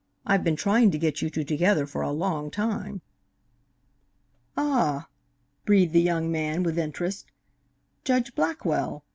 I've been trying to get you two together for a long time." "Ah!" breathed the young man, with interest. "Judge Blackwell!